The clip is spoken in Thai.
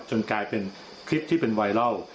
กลายเป็นคลิปที่เป็นไวรัล